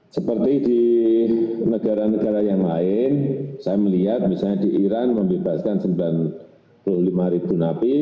seperti di negara negara yang lain saya melihat misalnya di iran membebaskan sembilan puluh lima ribu napi